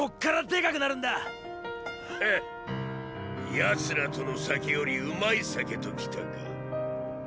奴らとの酒よりうまい酒ときたか。